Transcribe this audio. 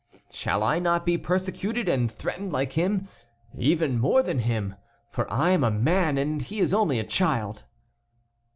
"Shall I not be persecuted, and threatened like him, even more than him? For I am a man, and he is only a child."